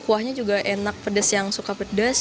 kuahnya juga enak pedas yang suka pedas